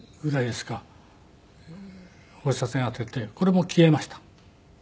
放射線当ててこれも消えました。